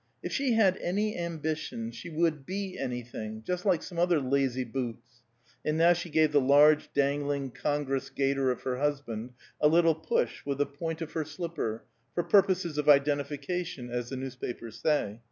"If she had any ambition she would be anything just like some other lazy boots," and now she gave the large, dangling congress gaiter of her husband a little push with the point of her slipper, for purposes of identification, as the newspapers say.